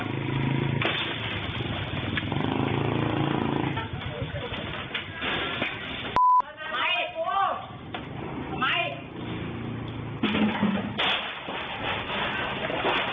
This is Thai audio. รถมาให้ข้างล่างรถมาข้างล่าง